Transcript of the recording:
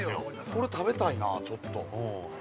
これ食べたいな、ちょっと。